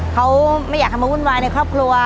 เขาไม่อยากให้มาวุ่นวายในครอบครัว